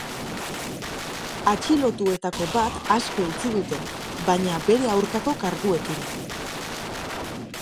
Atxilotuetako ba aske utzi dute, baina bere aurkako karguekin.